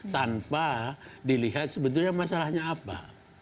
tanpa dilihat sebetulnya masalahnya apa